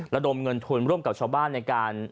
ระดมเงินทุนร่วมกับชาวบ้านในการ